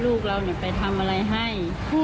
ลูกเราไปทำอะไรให้